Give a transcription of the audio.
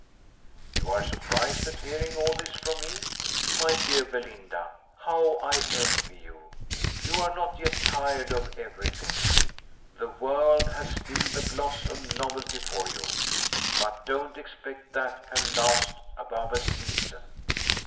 You are surprised at hearing all this from me. My dear Belinda, how I envy you! You are not yet tired of every thing. The world has still the gloss of novelty for you; but don't expect that can last above a season.